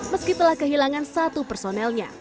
meski telah kehilangan satu personelnya